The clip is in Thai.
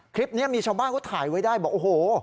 คลิปนี้มีชาวบ้านเขาถ่ายไว้ได้บอกโอ้โห